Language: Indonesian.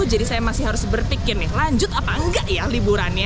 jadi saya masih harus berpikir nih lanjut apa nggak ya liburannya